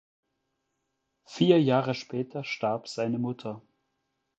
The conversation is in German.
Vier Jahre später starb seine Mutter.